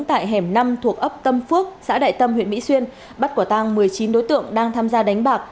tại hẻm năm thuộc ấp tâm phước xã đại tâm huyện mỹ xuyên bắt quả tang một mươi chín đối tượng đang tham gia đánh bạc